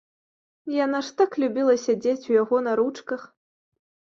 Яна ж так любіла сядзець у яго на ручках!